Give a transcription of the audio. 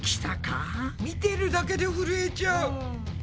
見てるだけでふるえちゃう。